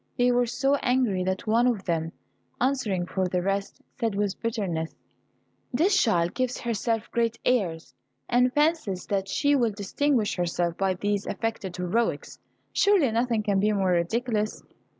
They were so angry, that one of them, answering for the rest, said with bitterness, "This child gives herself great airs, and fancies that she will distinguish herself by these affected heroics. Surely nothing can be more ridiculous."